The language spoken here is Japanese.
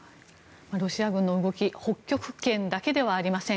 ロシア軍の動き北極圏だけではありません。